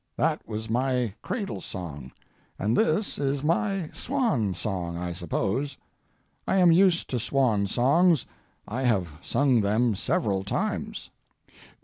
That was my cradle song; and this is my swan song, I suppose. I am used to swan songs; I have sung them several times.